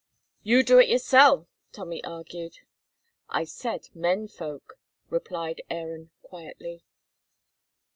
"You do it yoursel'," Tommy argued. "I said men folk," replied Aaron, quietly.